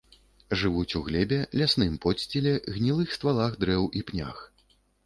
Жывуць у глебе, лясным подсціле, гнілых ствалах дрэў і пнях.